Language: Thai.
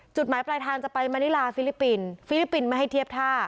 จุดหมายปลายทางจะไปมานิลาฟิลิปปินส์ฟิลิปปินส์ไม่ให้เทียบท่า